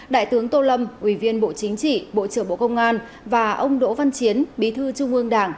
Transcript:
đại tướng tô lâm ủy viên bộ chính trị bộ trưởng bộ công an và ông đỗ văn chiến bí thư trung ương đảng